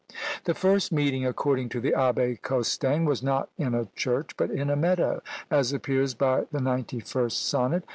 The first meeting, according to the Abbé Costaing, was not in a church, but in a meadow as appears by the ninety first sonnet.